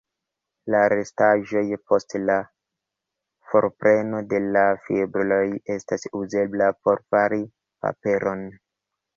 La restaĵoj post la forpreno de la fibroj estas uzebla por fari paperon.